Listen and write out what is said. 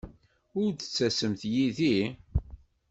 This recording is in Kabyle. Ur d-ttasemt yid-i?